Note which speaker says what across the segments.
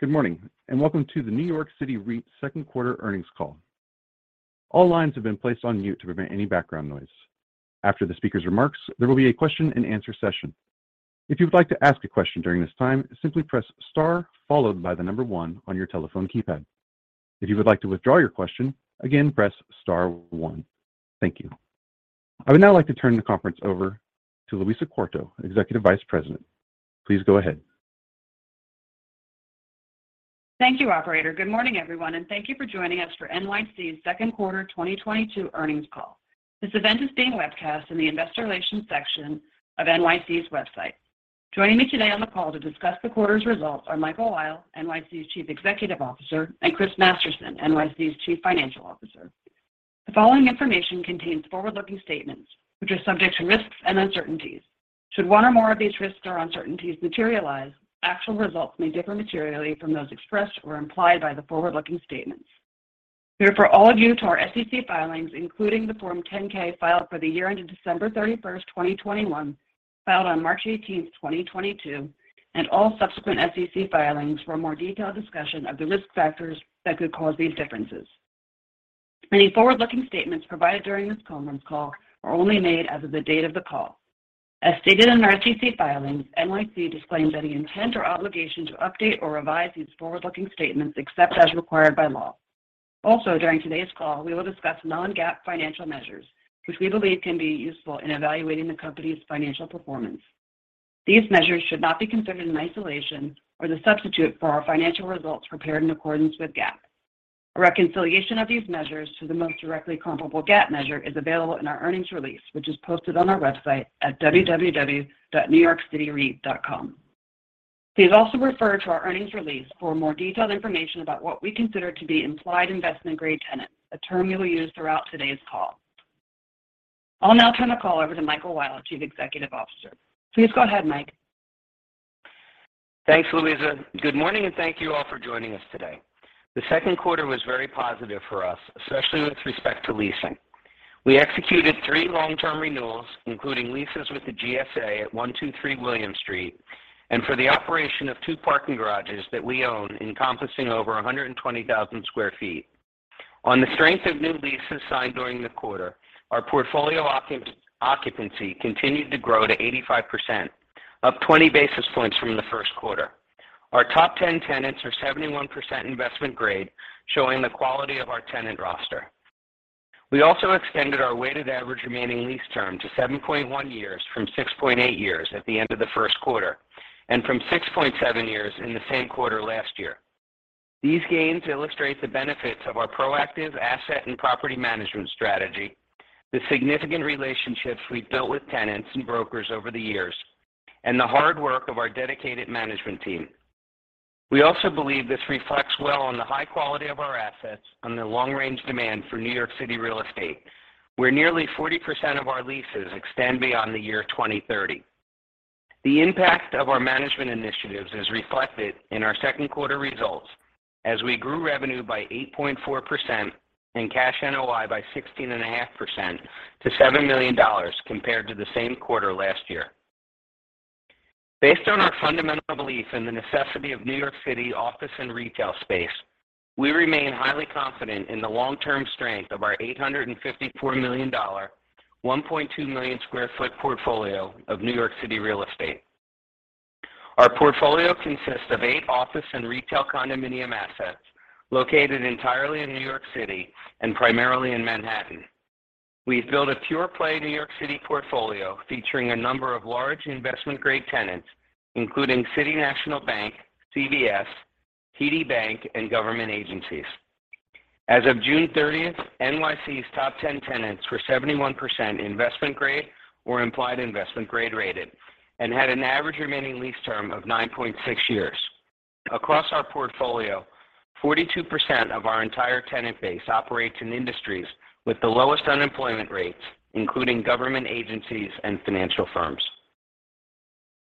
Speaker 1: Good morning, and welcome to the American Strategic Investment Co. Q2 earnings call. All lines have been placed on mute to prevent any background noise. After the speaker's remarks, there will be a question-and-answer session. If you would like to ask a question during this time, simply press star followed by the number one on your telephone keypad. If you would like to withdraw your question, again, press star one. Thank you. I would now like to turn the conference over to Louisa Quarto, Executive Vice President. Please go ahead.
Speaker 2: Thank you, operator. Good morning, everyone, and thank you for joining us for NYC's Q2 2022 earnings call. This event is being webcast in the investor relations section of NYC's website. Joining me today on the call to discuss the quarter's results are Michael Weil, NYC's Chief Executive Officer, and Chris Masterson, NYC's Chief Financial Officer. The following information contains forward-looking statements, which are subject to risks and uncertainties. Should one or more of these risks or uncertainties materialize, actual results may differ materially from those expressed or implied by the forward-looking statements. We refer all of you to our SEC filings, including the Form 10-K, filed for the year ended December 31, 2021, filed on March 18, 2022, and all subsequent SEC filings for a more detailed discussion of the risk factors that could cause these differences. Any forward-looking statements provided during this conference call are only made as of the date of the call. As stated in our SEC filings, American Strategic Investment Co. disclaims any intent or obligation to update or revise these forward-looking statements except as required by law. Also, during today's call, we will discuss non-GAAP financial measures, which we believe can be useful in evaluating the company's financial performance. These measures should not be considered in isolation or as a substitute for our financial results prepared in accordance with GAAP. A reconciliation of these measures to the most directly comparable GAAP measure is available in our earnings release, which is posted on our website at www.newyorkcityreit.com. Please also refer to our earnings release for more detailed information about what we consider to be implied investment-grade tenants, a term we will use throughout today's call. I'll now turn the call over to Michael Weil, Chief Executive Officer. Please go ahead, Mike.
Speaker 3: Thanks, Louisa. Good morning and thank you all for joining us today. The Q2 was very positive for us, especially with respect to leasing. We executed three long-term renewals, including leases with the GSA at 123 William Street, and for the operation of two parking garages that we own encompassing over 120,000 sq ft. On the strength of new leases signed during the quarter, our portfolio occupancy continued to grow to 85%, up 20 basis points from the Q1. Our top ten tenants are 71% investment-grade, showing the quality of our tenant roster. We also extended our weighted average remaining lease term to 7.1 years from 6.8 years at the end of the Q1, and from 6.7 years in the same quarter last year. These gains illustrate the benefits of our proactive asset and property management strategy, the significant relationships we've built with tenants and brokers over the years, and the hard work of our dedicated management team. We also believe this reflects well on the high quality of our assets and the long-range demand for New York City real estate, where nearly 40% of our leases extend beyond the year 2030. The impact of our management initiatives is reflected in our Q2 results as we grew revenue by 8.4% and cash NOI by 16.5% to $7 million compared to the same quarter last year. Based on our fundamental belief in the necessity of New York City office and retail space, we remain highly confident in the long-term strength of our $854 million, 1.2 million sq ft portfolio of New York City real estate. Our portfolio consists of eight office and retail condominium assets located entirely in New York City and primarily in Manhattan. We've built a pure play New York City portfolio featuring a number of large investment-grade tenants, including City National Bank, CVS, TD Bank, and government agencies. As of June 30, NYC's top 10 tenants were 71% investment-grade or implied investment-grade rated and had an average remaining lease term of 9.6 years. Across our portfolio, 42% of our entire tenant base operates in industries with the lowest unemployment rates, including government agencies and financial firms.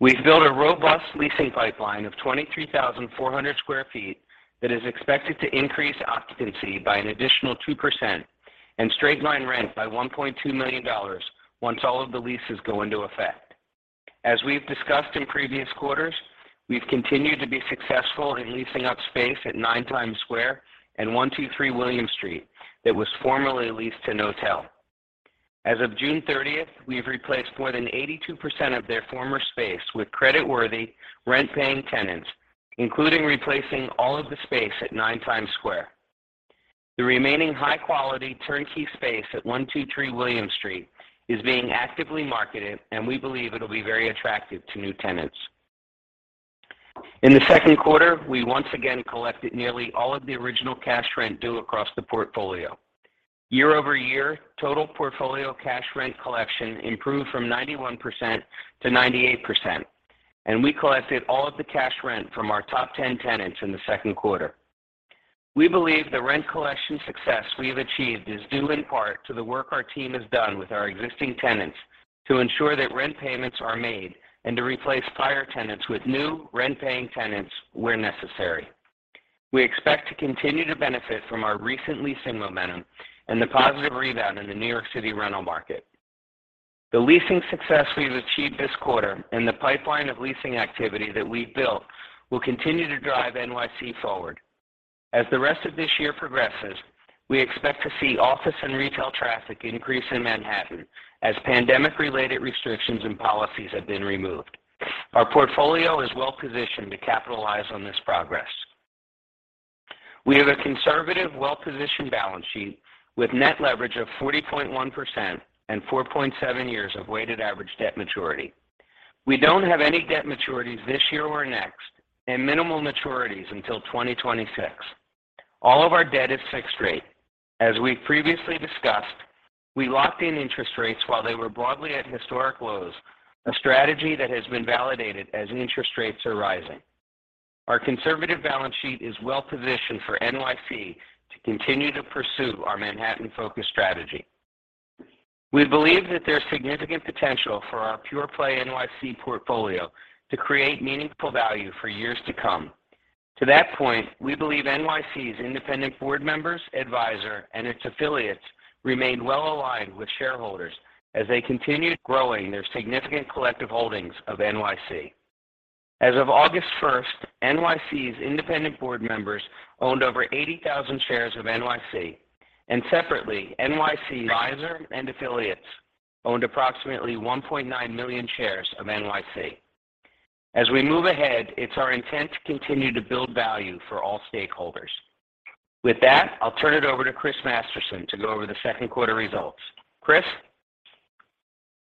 Speaker 3: We've built a robust leasing pipeline of 23,400 sq ft that is expected to increase occupancy by an additional 2% and straight-line rent by $1.2 million once all of the leases go into effect. We've discussed in previous quarters; we've continued to be successful in leasing up space at Nine Times Square and 123 William Street that was formerly leased to Knotel. As of June 30, we have replaced more than 82% of their former space with creditworthy rent-paying tenants, including replacing all of the space at Nine Times Square. The remaining high-quality turnkey space at 123 William Street is being actively marketed, and we believe it'll be very attractive to new tenants. In the Q2, we once again collected nearly all of the original cash rent due across the portfolio. Year over year, total portfolio cash rent collection improved from 91%-98%, and we collected all of the cash rent from our top 10 tenants in the Q2. We believe the rent collection success we have achieved is due in part to the work our team has done with our existing tenants to ensure that rent payments are made and to replace prior tenants with new rent-paying tenants where necessary. We expect to continue to benefit from our recent leasing momentum and the positive rebound in the New York City rental market. The leasing success we've achieved this quarter and the pipeline of leasing activity that we've built will continue to drive NYC forward. As the rest of this year progresses, we expect to see office and retail traffic increase in Manhattan as pandemic-related restrictions and policies have been removed. Our portfolio is well positioned to capitalize on this progress. We have a conservative, well-positioned balance sheet with net leverage of 40.1% and 4.7 years of weighted average debt maturity. We don't have any debt maturities this year or next, and minimal maturities until 2026. All of our debt is fixed rate. As we previously discussed, we locked in interest rates while they were broadly at historic lows, a strategy that has been validated as interest rates are rising. Our conservative balance sheet is well positioned for NYC to continue to pursue our Manhattan-focused strategy. We believe that there's significant potential for our pure-play NYC portfolio to create meaningful value for years to come. To that point, we believe NYC's independent board members, advisor, and its affiliates remain well aligned with shareholders as they continue growing their significant collective holdings of NYC. As of August 1, NYC's independent board members owned over 80,000 shares of NYC, and separately, NYC's advisor and affiliates owned approximately 1.9 million shares of NYC. As we move ahead, it's our intent to continue to build value for all stakeholders. With that, I'll turn it over to Chris Masterson to go over the Q2 results. Chris?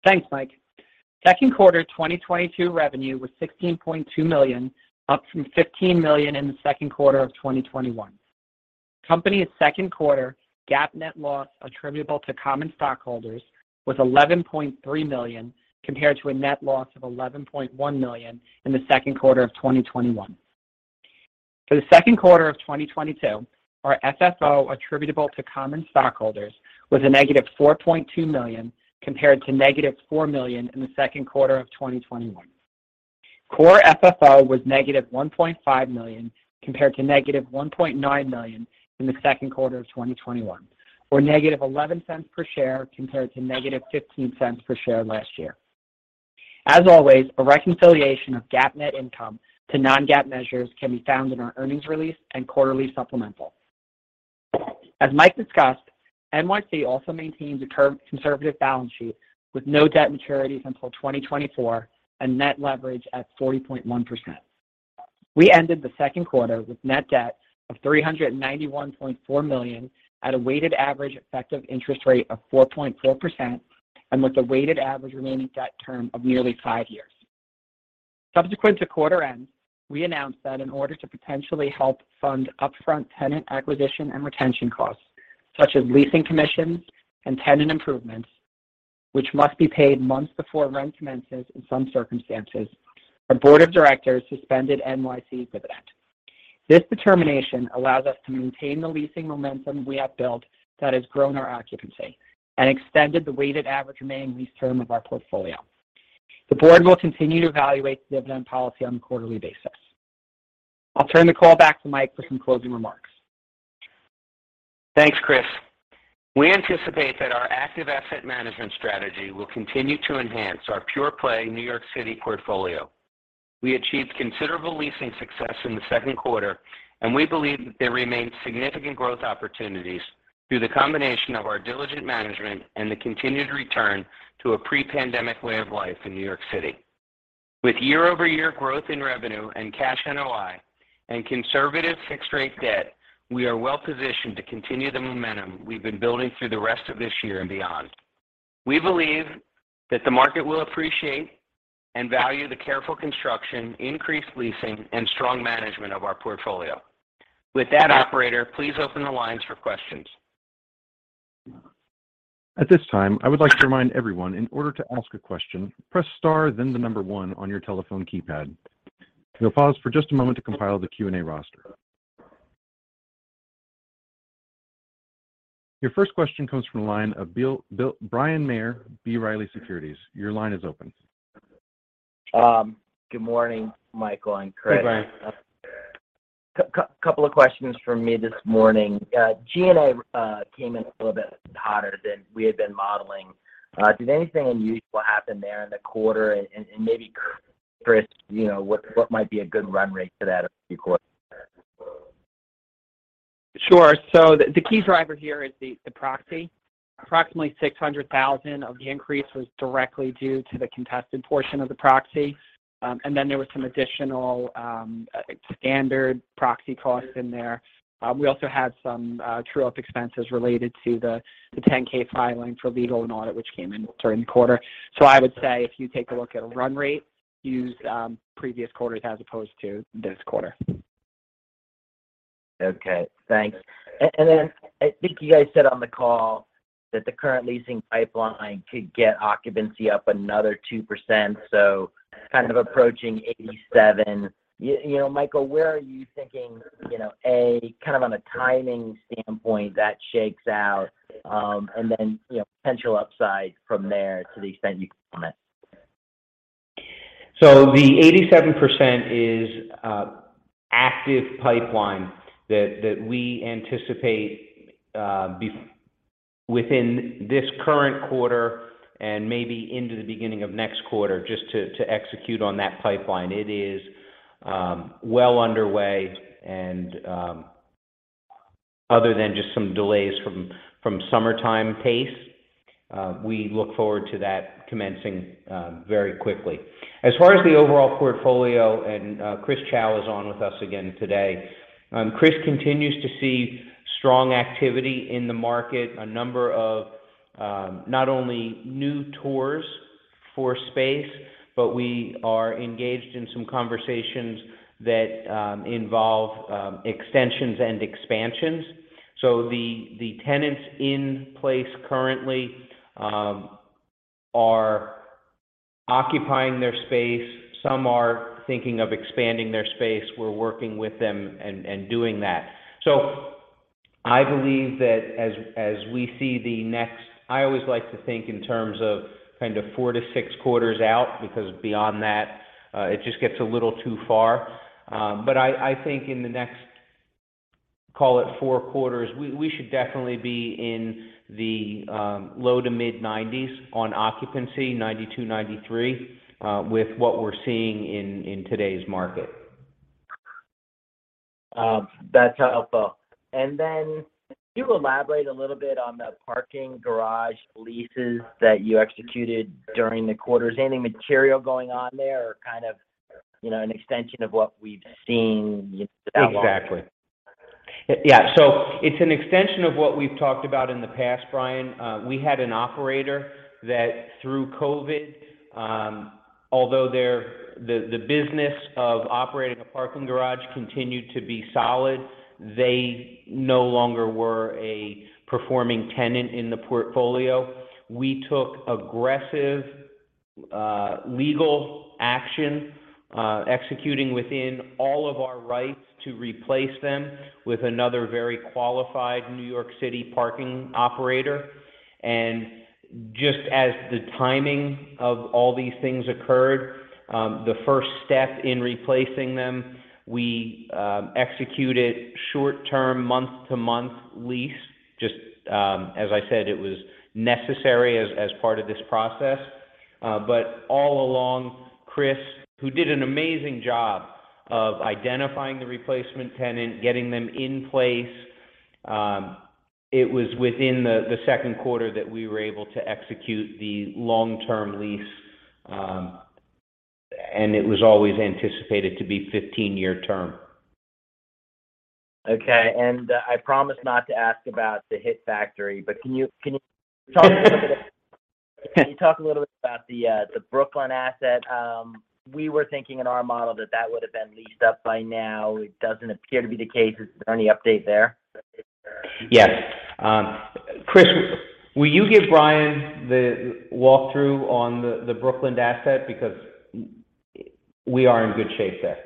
Speaker 4: Thanks, Mike. Q2 2022 revenue was $16.2 million, up from $15 million in the Q2 of 2021. Company's Q2 GAAP net loss attributable to common stockholders was $11.3 million, compared to a net loss of $11.1 million in the Q2 of 2021. For the Q2 of 2022, our FFO attributable to common stockholders was -$4.2 million, compared to -$4 million in the Q2 of 2021. Core FFO was -$1.5 million, compared to -$1.9 million in the Q2 of 2021, or -11 cents per share compared to -15 cents per share last year. As always, a reconciliation of GAAP net income to non-GAAP measures can be found in our earnings release and quarterly supplemental. As Mike discussed, NYC also maintains a conservative balance sheet with no debt maturities until 2024 and net leverage at 40.1%. We ended the Q2 with net debt of $391.4 million at a weighted average effective interest rate of 4.4% and with a weighted average remaining debt term of nearly five years. Subsequent to quarter end, we announced that in order to potentially help fund upfront tenant acquisition and retention costs, such as leasing commissions and tenant improvements, which must be paid months before rent commences in some circumstances, our board of directors suspended NYC's dividend. This determination allows us to maintain the leasing momentum we have built that has grown our occupancy and extended the weighted average remaining lease term of our portfolio. The board will continue to evaluate the dividend policy on a quarterly basis. I'll turn the call back to Mike for some closing remarks.
Speaker 3: Thanks, Chris. We anticipate that our active asset management strategy will continue to enhance our pure-play New York City portfolio. We achieved considerable leasing success in the Q2, and we believe that there remains significant growth opportunities through the combination of our diligent management and the continued return to a pre-pandemic way of life in New York City. With year-over-year growth in revenue and cash NOI and conservative fixed rate debt, we are well positioned to continue the momentum we've been building through the rest of this year and beyond. We believe that the market will appreciate and value the careful construction, increased leasing, and strong management of our portfolio. With that, operator, please open the lines for questions.
Speaker 1: At this time, I would like to remind everyone in order to ask a question, press star, then the number one on your telephone keypad. We'll pause for just a moment to compile the Q&A roster. Your first question comes from the line of Bryan Maher, B. Riley Securities. Your line is open.
Speaker 5: Good morning, Michael and Chris.
Speaker 3: Hey, Bryan.
Speaker 5: A couple of questions from me this morning. G&A came in a little bit hotter than we had been modeling. Did anything unusual happen there in the quarter? Maybe Chris, you know, what might be a good run rate for that a few quarters?
Speaker 4: Sure. The key driver here is the proxy. Approximately $600,000 of the increase was directly due to the contested portion of the proxy. There was some additional standard proxy costs in there. We also had some true-up expenses related to the 10-K, filing for legal and audit, which came in during the quarter. I would say if you take a look at a run rate, use previous quarters as opposed to this quarter.
Speaker 5: Okay, thanks. I think you guys said on the call that the current leasing pipeline could get occupancy up another 2%, so kind of approaching 87%. You know, Michael, where are you thinking, you know, kind of on a timing standpoint that shakes out, and then, you know, potential upside from there to the extent you can comment?
Speaker 3: The 87% is active pipeline that we anticipate within this current quarter and maybe into the beginning of next quarter just to execute on that pipeline. It is well underway and other than just some delays from summertime pace, we look forward to that commencing very quickly. As far as the overall portfolio, Christopher Chao is on with us again today. Chris continues to see strong activity in the market, a number of not only new tours for space, but we are engaged in some conversations that involve extensions and expansions. The tenants in place currently are occupying their space. Some are thinking of expanding their space. We're working with them and doing that. I believe that as we see the next. I always like to think in terms of kind of four to six quarters out because beyond that, it just gets a little too far. I think in the next, call it four quarters, we should definitely be in the low to mid-90s on occupancy, 92%-93%, with what we're seeing in today's market.
Speaker 5: That's helpful. Can you elaborate a little bit on the parking garage leases that you executed during the quarter? Is there any material going on there or kind of, you know, an extension of what we've seen so far?
Speaker 3: Exactly. Yeah. It's an extension of what we've talked about in the past, Bryan. We had an operator that through COVID, although the business of operating a parking garage continued to be solid, they no longer were a performing tenant in the portfolio. We took aggressive legal action, executing within all of our rights to replace them with another very qualified New York City parking operator. Just as the timing of all these things occurred, the first step in replacing them, we executed short-term month-to-month lease. Just as I said, it was necessary as part of this process. All along, Chris, who did an amazing job of identifying the replacement tenant, getting them in place, it was within the Q2 that we were able to execute the long-term lease. It was always anticipated to be 15-year term.
Speaker 5: Okay. I promise not to ask about the Hit Factory, but can you talk a little bit about the Brooklyn asset? We were thinking in our model that that would have been leased up by now. It doesn't appear to be the case. Is there any update there?
Speaker 3: Yes. Chris, will you give Bryan the walkthrough on the Brooklyn asset? Because we are in good shape there.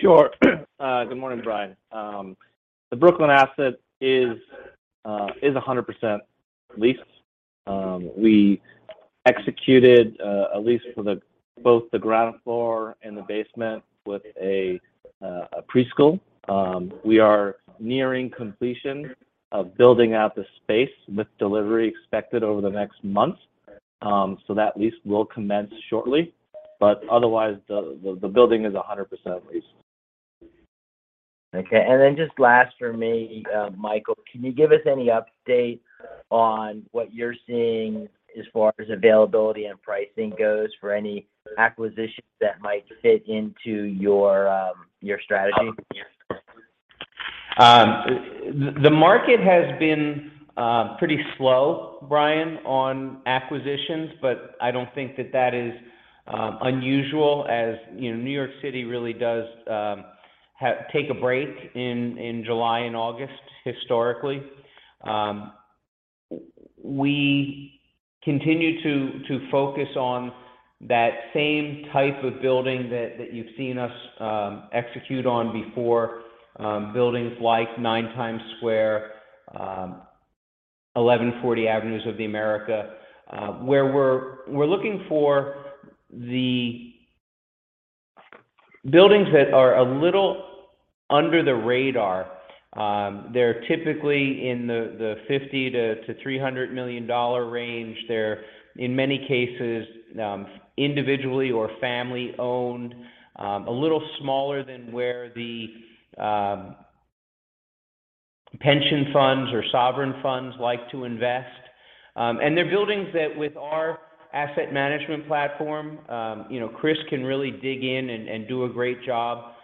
Speaker 6: Sure. Good morning, Bryan. The Brooklyn asset is 100% leased. We executed a lease for both the ground floor and the basement with a preschool. We are nearing completion of building out the space with delivery expected over the next month. That lease will commence shortly. Otherwise, the building is 100% leased.
Speaker 5: Okay. Just last for me, Michael, can you give us any update on what you're seeing as far as availability and pricing goes for any acquisitions that might fit into your strategy?
Speaker 3: The market has been pretty slow, Bryan, on acquisitions, but I don't think that is unusual as, you know, New York City really does take a break in July and August historically. We continue to focus on that same type of building that you've seen us execute on before, buildings like Nine Times Square, 1140 Avenue of the Americas, where we're looking for the buildings that are a little under the radar. They're typically in the $50-$300 million range. They're, in many cases, individually or family-owned, a little smaller than where the pension funds or sovereign funds like to invest. They're buildings that with our asset management platform, you know, Chris can really dig in and do a great job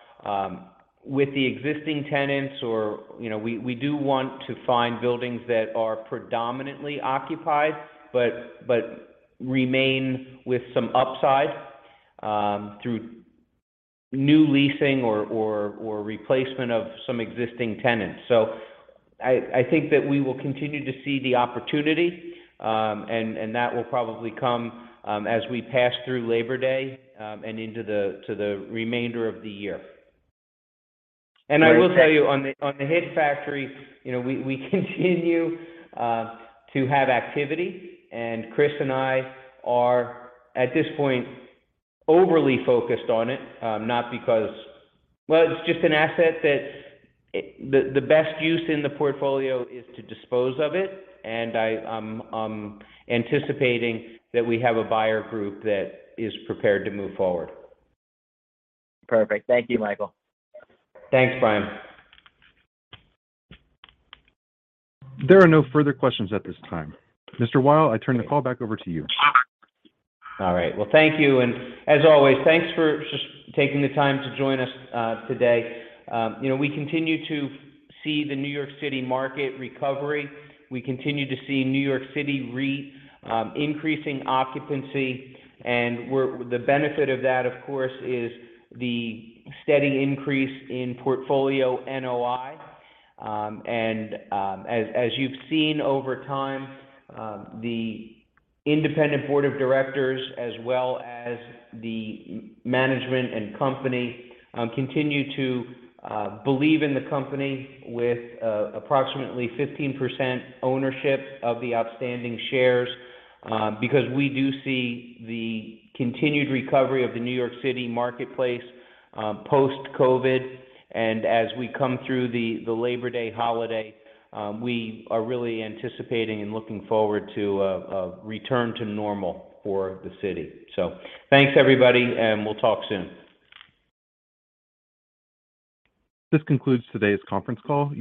Speaker 3: with the existing tenants or, you know, we do want to find buildings that are predominantly occupied but remain with some upside through new leasing or replacement of some existing tenants. I think that we will continue to see the opportunity, and that will probably come as we pass through Labor Day and into the remainder of the year. I will tell you on the Hit Factory, you know, we continue to have activity, and Chris and I are at this point overly focused on it, not because... Well, it's just an asset that the best use in the portfolio is to dispose of it, and I'm anticipating that we have a buyer group that is prepared to move forward.
Speaker 5: Perfect. Thank you, Michael.
Speaker 3: Thanks, Bryan.
Speaker 1: There are no further questions at this time. Mr. Weil, I turn the call back over to you.
Speaker 3: All right. Well, thank you. As always, thanks for just taking the time to join us today. You know, we continue to see the New York City market recovery. We continue to see New York City REIT increasing occupancy. The benefit of that, of course, is the steady increase in portfolio NOI. As you've seen over time, the independent board of directors as well as the management and company continue to believe in the company with approximately 15% ownership of the outstanding shares because we do see the continued recovery of the New York City marketplace post-COVID. As we come through the Labor Day holiday, we are really anticipating and looking forward to a return to normal for the city. Thanks, everybody, and we'll talk soon.
Speaker 1: This concludes today's conference call.